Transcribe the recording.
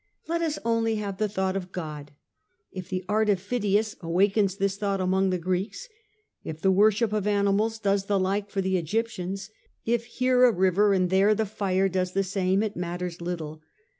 Let us only have the thought of God. If the art of Phidias awakens this thought among the Greeks; if the worship of animals does the like for the Egyptians ; if here a river and there the fire does the same, it matters little.